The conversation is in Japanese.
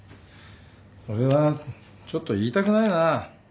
それはちょっと言いたくないな。